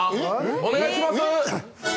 お願いします。